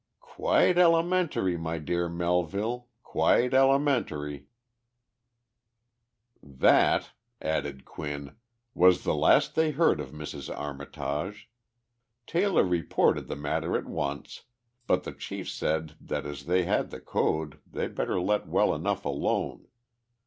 "Quite elementary, my dear Melville, quite elementary!" "That," added Quinn, "was the last they heard of Mrs. Armitage. Taylor reported the matter at once, but the chief said that as they had the code they better let well enough alone.